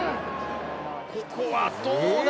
ここはどうだ？